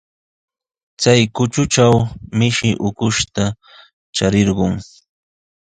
Chay kutatraw mishi ukush charirqun.